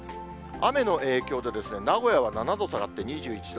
雨の影響で、名古屋は７度下がって２１度。